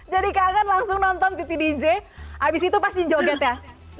jadi kangen langsung nonton titi dj abis itu pasti joget ya